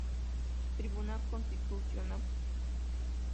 Tribunal Constitucional.